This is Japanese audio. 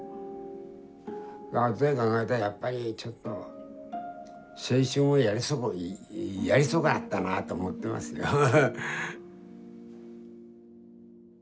あとで考えたらやっぱりちょっと青春をやり損なったなぁと思ってますよ。ですね。